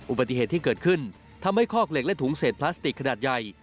อุบัติเหตุที่เกิดขึ้นทำให้คอกเหล็กและถุงเศษพลาสติกขนาดใหญ่